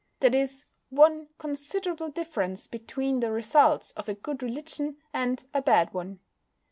That is one considerable difference between the results of a good religion and a bad one.